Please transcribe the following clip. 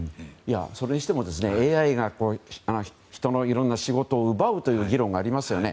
それにしてもＡＩが人のいろんな仕事を奪うという議論がありますよね。